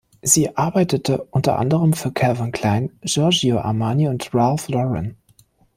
Sie arbeitete unter anderem für Calvin Klein, Giorgio Armani und Ralph Lauren.